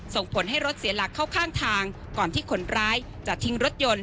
ส่งผลให้รถเสียหลักเข้าข้างทางก่อนที่คนร้ายจะทิ้งรถยนต์